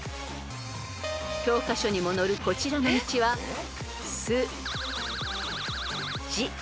［教科書にも載るこちらの道は「すじ」と呼ばれます］